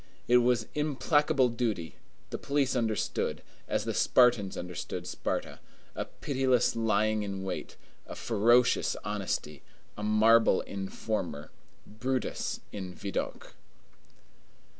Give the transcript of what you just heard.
It was implacable duty; the police understood, as the Spartans understood Sparta, a pitiless lying in wait, a ferocious honesty, a marble informer, Brutus in Vidocq.